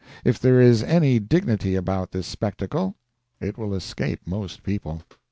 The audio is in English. If there is any dignity about this spectacle it will escape most people.